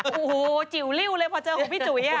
โอ้โหจิ๋วลิ้วเลยพอเจอของพี่จุ๋ย